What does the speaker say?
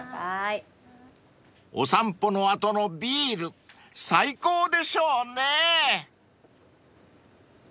［お散歩の後のビール最高でしょうね］